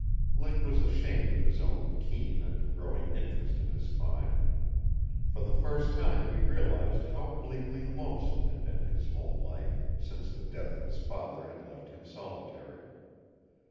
Link was ashamed of his own keen and growing interest in his find. For the first time he realized how bleakly lonesome had been his home life, since the death of his father had left him solitary.